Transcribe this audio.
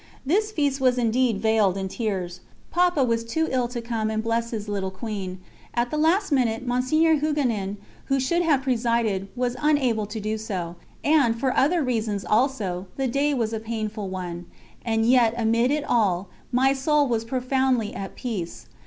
This feast was indeed veiled in tears. Papa was too ill to come and bless his little Queen; at the last minute Mgr. Hugonin, who should have presided, was unable to do so, and, for other reasons also, the day was a painful one. And yet amid it all, my soul was profoundly at peace.